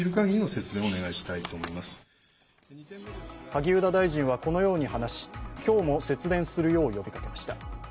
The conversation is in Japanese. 萩生田大臣はこのように話し今日も節電するよう呼びかけました。